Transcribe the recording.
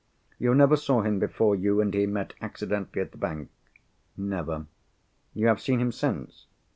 "You never saw him before you and he met accidentally at the bank?" "Never." "You have seen him since?"